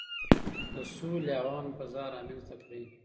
د سولې او امن فضا رامنځته کړئ.